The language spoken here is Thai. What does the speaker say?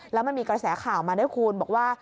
แล้วมันมีกระแสข่าวมาด้วยคุณบอกว่า